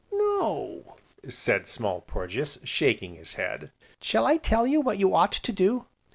"No," said Small Porges, shaking his head, "shall I tell you what you ought to do?